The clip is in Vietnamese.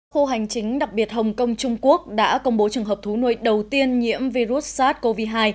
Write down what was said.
khu hành chính đặc biệt hồng kông trung quốc đã công bố trường hợp thú nuôi đầu tiên nhiễm virus sars cov hai